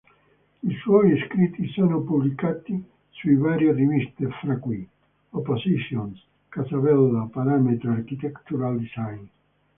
I suoi scritti sono pubblicati su varie riviste fra cui:Oppositions, Casabella, Parametro, Architectural Design.